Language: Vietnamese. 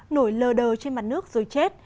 nổi lờ đờ trên mặt nước rồi chết